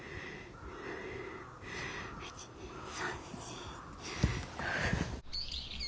１２３４。